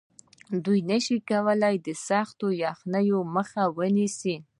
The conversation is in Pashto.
دوی نشي کولی چې د سختې یخنۍ مخه ونیسي